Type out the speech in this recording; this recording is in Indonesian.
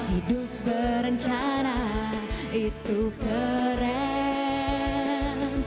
hidup berencana itu keren